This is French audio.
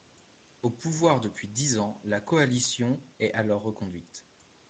Au pouvoir depuis dix ans, la coalition est alors reconduite.